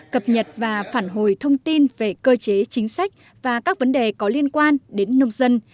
cập nhật và phản hồi thông tin về cơ chế chính sách và các vấn đề có liên quan đến nông dân